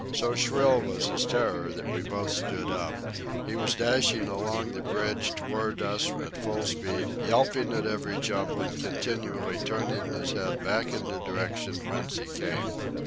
So shrill was his terror that we both stood up. He was dashing along the bridge toward us at full speed, yelping at every jump and continually turning his head back in the direction whence he came.